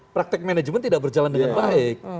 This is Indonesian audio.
praktek manajemen tidak berjalan dengan baik